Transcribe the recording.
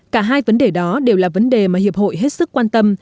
cả hai vấn đề đó đều là vấn đề mà hiệp hội hết sức quan tâm